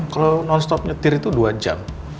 kalau non stop nyetir itu dua jam